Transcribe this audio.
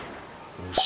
よし。